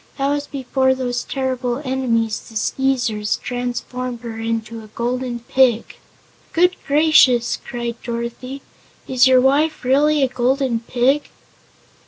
that was before those terrible enemies, the Skeezers, transformed her into a Golden Pig." "Good gracious!" cried Dorothy; "is your wife really a Golden Pig?"